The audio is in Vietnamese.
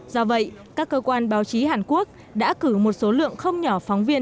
do vậy các cơ quan báo chí hàn quốc đã cử một số lượng không nhỏ phóng viên